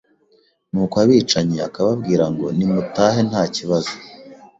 nuko abicanyi akababwira ngo nimutahe nta kibazo